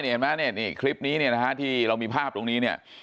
เห็นไหมเนี่ยคลิปนี้เนี่ยนะฮะที่เรามีภาพตรงนี้เนี่ย